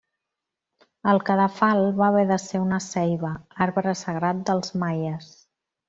El cadafal va haver de ser una ceiba, arbre sagrat dels maies.